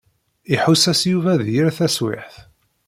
Iḥuss-as Yuba d yir taswiɛt.